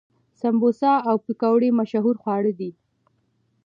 سموسه او پکوړه مشهور خواړه دي.